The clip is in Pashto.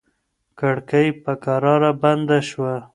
کړکۍ په کراره بنده شوه.